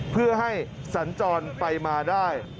เพื่อให้สัญจรไปมาได้